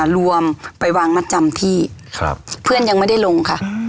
รวมไปวางมัดจำที่เพื่อนยังไม่ได้ลงค่ะ